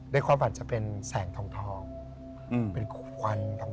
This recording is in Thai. ด้วยความอาจจะเป็นแสงทองเป็นควันทอง